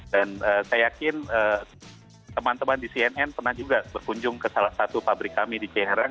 dan saya yakin teman teman di cnn pernah juga berkunjung ke salah satu pabrik kami di ceyang herang